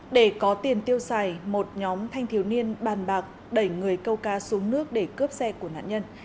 để có tiền tiêu xài một nhóm thanh thiếu niên bàn bạc đẩy người câu cá xuống nước để cướp xe của nạn nhân